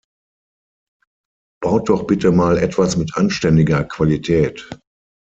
Baut doch bitte mal etwas mit anständiger Qualität!